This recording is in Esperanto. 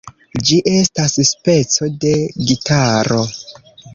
Ĝi estas speco de gitaro.